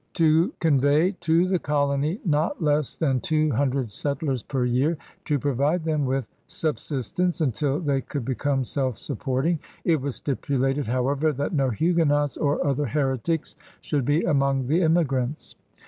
THE FOUNDING OF NEW FRANCE 51 to convey to the colony not less than two hundred settlers per year> and to provide them with sub sistence until they could become self supporting. It was stipulated, however, that no Huguenots or other heretics should be among the immigrants.